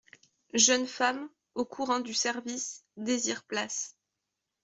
Jeune femme, au courant du service, désire place.